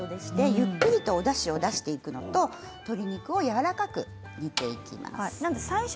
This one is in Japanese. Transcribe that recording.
ゆっくりとだしを出していくのと鶏肉をやわらかく煮ていきます。